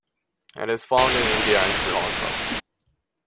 It is found in India and Sri Lanka.